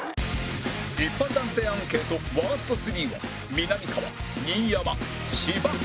一般男性アンケートワースト３はみなみかわ新山芝